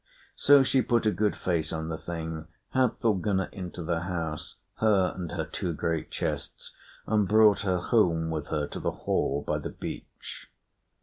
So she put a good face on the thing, had Thorgunna into the boat, her and her two great chests, and brought her home with her to the hall by the beach.